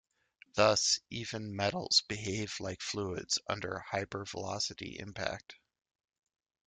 Thus, even metals behave like fluids under hypervelocity impact.